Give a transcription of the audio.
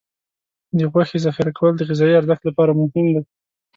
د غوښې ذخیره کول د غذايي ارزښت لپاره مهم دي.